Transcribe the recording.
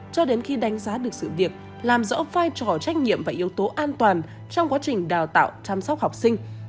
cho đến khi đánh giá được sự việc làm rõ vai trò trách nhiệm và yếu tố an toàn trong quá trình đào tạo chăm sóc học sinh